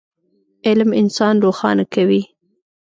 علم انسان روښانه کوي.